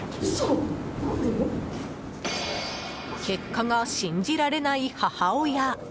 結果が信じられない母親。